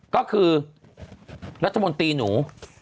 ก็คือรัฐมนตรีหนู